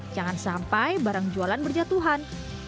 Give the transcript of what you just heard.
jangan sampai barang jualan berjatuhan